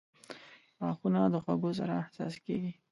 • غاښونه د خوږو سره حساس کیږي.